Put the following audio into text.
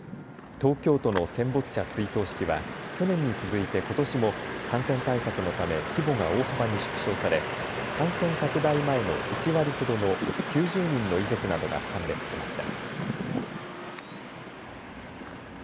東京都の戦没者追悼式は去年に続いてことしも感染対策のため規模が大幅に縮小され感染拡大前の１割ほどの９０人の遺族などが参列しました。